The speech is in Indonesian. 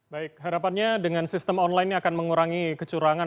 baik harapannya dengan sistem online ini akan mengurangi kecurangan